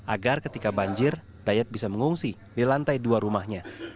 agar ketika banjir dayak bisa mengungsi di lantai dua rumahnya